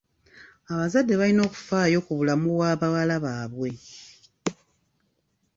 Abazadde balina okufaayo ku bulamu bwa bawala baabwe.